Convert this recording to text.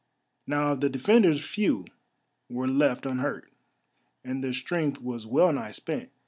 Now of the defenders few were left unhurt, and their strength was well nigh spent.